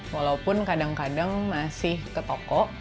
walaupun kadang kadang masih ke toko